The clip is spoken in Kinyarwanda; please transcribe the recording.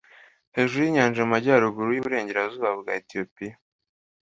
hejuru y'inyanja mu majyaruguru y'iburengerazuba bwa etiyopiya